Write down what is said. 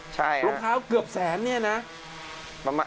รองเท้าเกือบแสนเนี่ยนะ